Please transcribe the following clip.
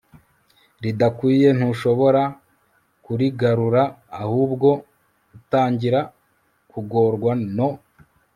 ridakwiye ntushobora kurigarura ahubwo utangira kugorwa no